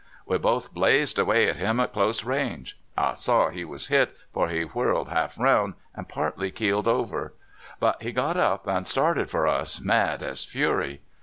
We both blazed away at him at close range. I saw he was hit, for he whirled half roun', and partly keeled over ; but he got up and started for us, mad as fury.